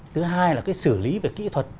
thứ hai là cái xử lý về kỹ thuật